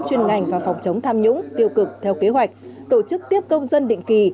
chuyên ngành và phòng chống tham nhũng tiêu cực theo kế hoạch tổ chức tiếp công dân định kỳ